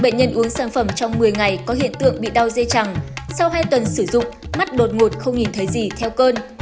bệnh nhân uống sản phẩm trong một mươi ngày có hiện tượng bị đau dây chẳng sau hai tuần sử dụng mắt đột ngột không nhìn thấy gì theo cơn